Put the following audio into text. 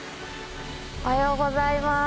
おはようございます。